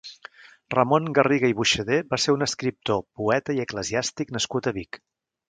Ramon Garriga i Boixader va ser un escriptor, poeta i eclesiàstic nascut a Vic.